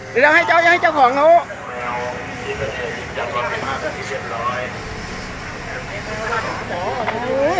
แนวอยากให้เจ้าให้เจ้าของถ้าราย